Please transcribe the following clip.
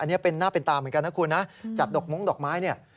อันนี้เป็นหน้าเป็นตาเหมือนกันนะคุณนะจัดดอกม้งดอกไม้เนี่ย